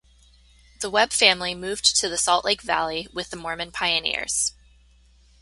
The Webb family moved to the Salt Lake Valley with the Mormon pioneers.